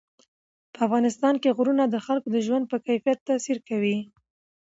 په افغانستان کې غرونه د خلکو د ژوند په کیفیت تاثیر کوي.